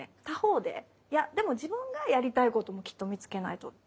他方でいやでも自分がやりたいこともきっと見つけないと。